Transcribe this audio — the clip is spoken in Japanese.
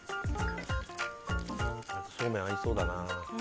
そうめんに合いそうだな。